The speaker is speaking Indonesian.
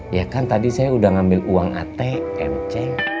ya kan tadi saya udah ngambil uang at mc